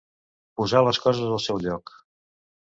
Posar les coses al seu lloc.